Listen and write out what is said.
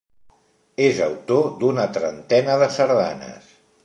És autor d'una trentena de sardanes.